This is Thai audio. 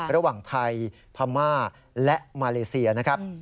ระหว่างไทยพม่าและมาเลเซียนะครับ